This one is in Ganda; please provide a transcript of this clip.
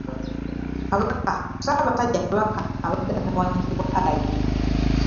Ssaabasajja Kabaka abadde atawaanyizibwa Allergy